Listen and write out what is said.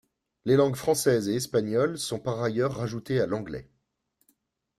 Les langues française et espagnole sont par ailleurs rajoutées à l'anglais.